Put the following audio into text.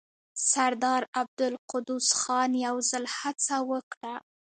سردار عبدالقدوس خان يو ځل هڅه وکړه.